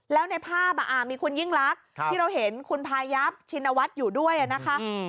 แล้วในภาพมีคุณยิ่งลักษณ์ที่เราเห็นคุณพายับชินวัฒน์อยู่ด้วยนะคะ